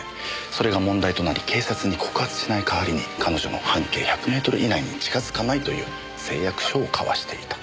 それが問題となり警察に告発しないかわりに彼女の半径１００メートル以内に近づかないという誓約書を交わしていた。